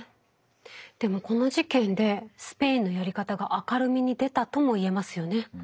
でもこの事件でスペインのやり方が明るみに出たとも言えますよね。